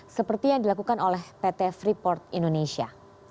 seperti yang dilakukan oleh pt freeport indonesia